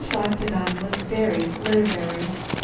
Octagon was very literary.